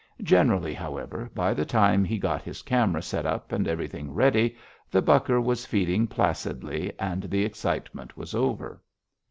Generally, however, by the time he got his camera set up and everything ready, the bucker was feeding placidly and the excitement was over.